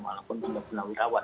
walaupun sudah purnawirawan